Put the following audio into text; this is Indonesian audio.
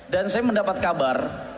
dan saya mendapat kabar